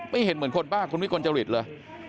ไม่เห็นเหมือนคนบ้านคุณวิทย์กรรจริตเลย